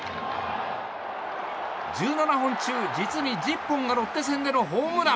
１７本中、実に１０本がロッテ戦でのホームラン。